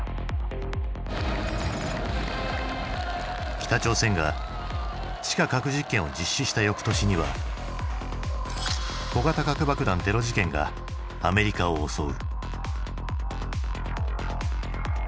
北朝鮮が地下核実験を実施したよくとしには小型核爆弾テロ事件がアメリカを襲う。